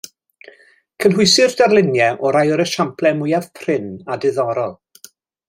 Cynhwysir darluniau o rai o'r esiamplau mwyaf prin a diddorol.